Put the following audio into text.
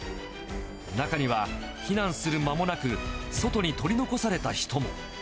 中には避難する間もなく、外に取り残された人も。